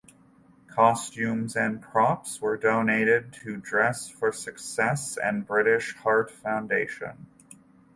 Costumes and props were donated to Dress for Success and British Heart Foundation.